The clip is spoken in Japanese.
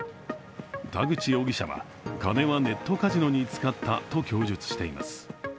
田口容疑者は、金はネットカジノに使ったと供述しています。